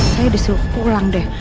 saya disuruh pulang deh